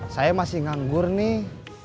saya masih nganggur nih